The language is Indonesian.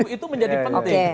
itu menjadi penting